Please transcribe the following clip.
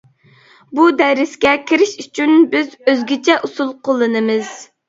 بۇ دەرسكە كىرىش ئۈچۈن بىز ئۆزگىچە ئۇسۇل قوللىنىمىز.